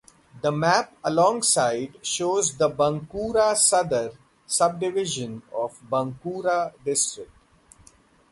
The map alongside shows the Bankura Sadar subdivision of Bankura district.